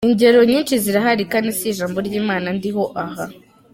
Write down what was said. Ingero nyinshi zirahari kandi si ijambo ry’Imana ndiho aha.